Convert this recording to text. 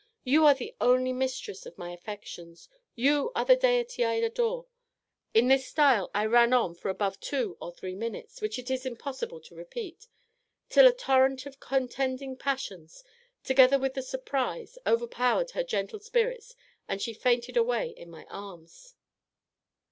You are the only mistress of my affections; you are the deity I adore. In this stile I ran on for above two or three minutes, what it is impossible to repeat, till a torrent of contending passions, together with the surprize, overpowered her gentle spirits, and she fainted away in my arms.